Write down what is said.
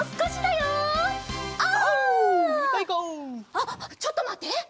あっちょっとまって！